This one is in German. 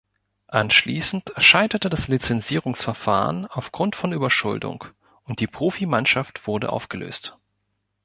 Anschließend scheiterte das Lizenzierungsverfahren aufgrund von Überschuldung und die Profimannschaft wurde aufgelöst.